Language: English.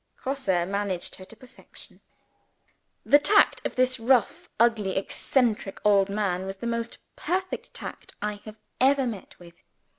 Grosse managed her to perfection. The tact of this rough, ugly, eccentric old man was the most perfect tact I have ever met with.